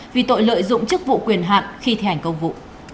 vì tội lợi dụng chức vụ quyền hạn khi thi hành công vụ